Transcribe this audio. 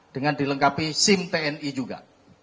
dengan dilengkapi sim tni juga